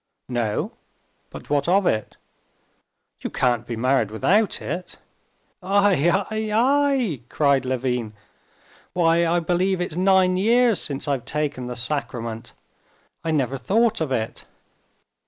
"No. But what of it?" "You can't be married without it." "Aïe, aïe, aïe!" cried Levin. "Why, I believe it's nine years since I've taken the sacrament! I never thought of it."